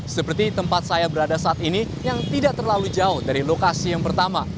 seperti tempat saya berada saat ini yang tidak terlalu jauh dari lokasi yang pertama